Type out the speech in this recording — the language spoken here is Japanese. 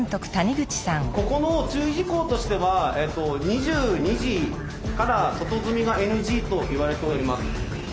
ここの注意事項としてはえと２２時から外積みがＮＧといわれております。